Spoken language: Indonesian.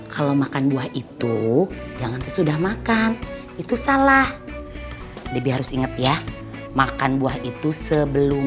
kalau makan buah itu jangan sesudah makan itu salah debi harus ingat ya makan buah itu sebelum